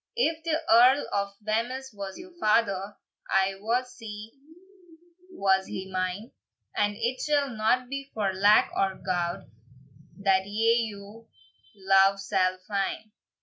"If the Earl of Wemyss was your father, I wot sae was he mine; And it shall not be for lack o gowd That ye your love sall fyne.